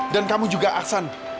dan kamu juga aksan